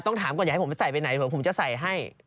ถามก่อนอย่าให้ผมใส่ไปไหนเผื่อผมจะใส่ให้